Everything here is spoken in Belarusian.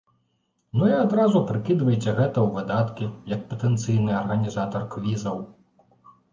Ну і адразу прыкідвайце гэта ў выдаткі як патэнцыйны арганізатар квізаў.